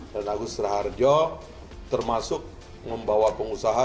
dan agus raharjo termasuk membawa pengusaha